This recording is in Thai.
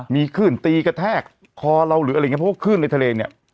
มีขึ้นตีกระแทกคอเราหรืออะไรอย่างนี้เพราะว่าคลื่นในทะเลเนี่ย